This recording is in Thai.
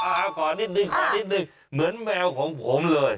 ขอนิดนึงขอนิดนึงเหมือนแมวของผมเลย